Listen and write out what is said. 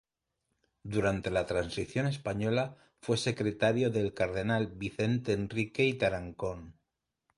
Durante la Transición Española fue secretario del cardenal Vicente Enrique y Tarancón.